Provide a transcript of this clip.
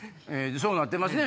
そうなってますね